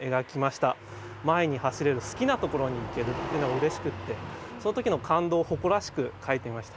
前に走れる好きなところに行けるっていうのがうれしくってその時の感動を誇らしく書いてみました。